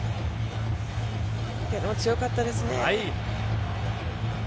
強かったですね。